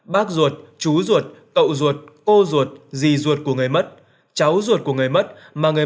bác ruột chú ruột cậu ruột cô ruột dì ruột của người mất cháu ruột của người mất mà người